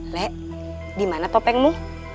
lek dimana topengmu